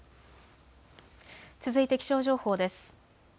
続いて気象情報です。